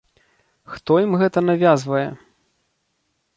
Хто ім гэта навязвае?